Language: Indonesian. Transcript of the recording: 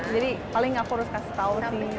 jadi paling aku harus kasih tau